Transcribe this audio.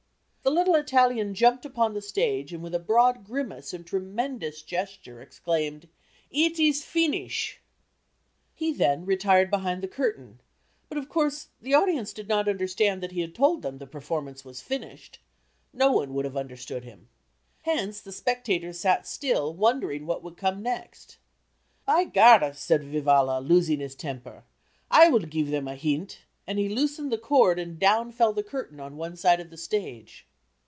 The little Italian jumped upon the stage and with a broad grimace and tremendous gesture exclaimed "Eet is feenish!" He then retired behind the curtain, but, of course, the audience did not understand that he had told them the performance was finished. No one would have understood him. Hence, the spectators sat still, wondering what would come next. "By gar," said Vivalla, losing his temper, "I will give them a hint," and he loosened the cord and down fell the curtain on one side of the stage.